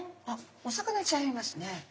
お魚ちゃんいますね！